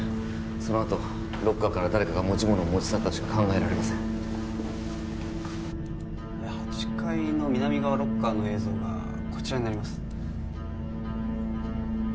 そのあとロッカーから誰かが持ち物を持ち去ったとしか考えられません８階の南側ロッカーの映像がこちらになります